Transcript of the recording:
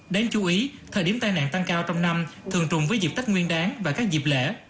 đáng chú ý thời điểm tai nạn tăng cao trong năm thường trùng với dịp tết nguyên đáng và các dịp lễ